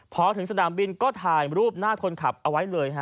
พอถึงสนามบินก็ถ่ายรูปหน้าคนขับเอาไว้เลยฮะ